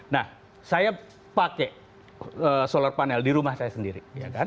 nah saya pakai solar panel di rumah saya sendiri